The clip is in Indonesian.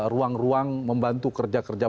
ruang ruang membantu kerja kerja